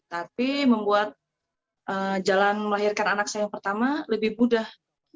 tapi membuat jalan melahirkan anak saya yang pertama lebih mudah